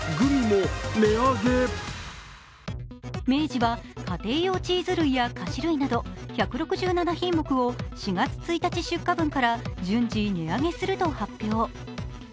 明治は家庭用チーズ類や菓子類など１６７品目を４月１日出荷分から随時値上げすると発表。